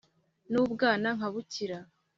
n'ubwana nkabukira